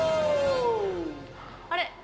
あれ？